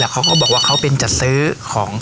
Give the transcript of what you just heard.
เขาก็บอกว่าเขาเป็นจัดซื้อของ